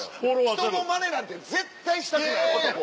人のまねなんて絶対したくない男。